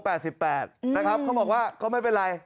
เขาบอกว่าก็ไม่เป็นไร